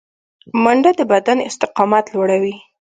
منډه د بدن استقامت لوړوي